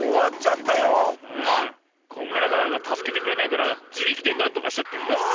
こんがらガールがたすけてくれないからじりきでなんとかしちゃったよなあ。